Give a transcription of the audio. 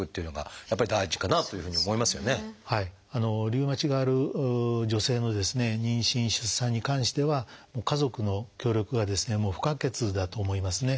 リウマチがある女性の妊娠・出産に関しては家族の協力が不可欠だと思いますね。